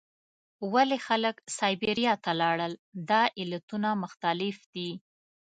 ولې خلک سابیریا ته لاړل؟ دا علتونه مختلف دي.